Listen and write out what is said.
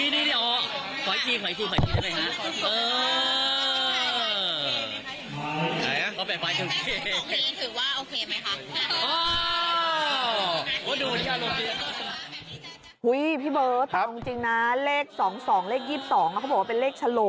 นี่อ๋อขอยจี้ขอยจี้ได้ไหมคะเออ